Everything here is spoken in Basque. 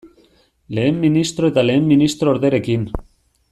Lehen ministro eta lehen ministro orderekin.